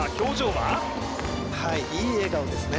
はいいい笑顔ですね